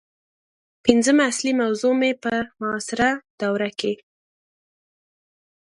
پنځمه اصلي موضوع مې په معاصره دوره کې